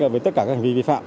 với tất cả các hành vi vi phạm